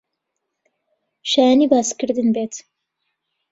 شایانی باسکردن بێت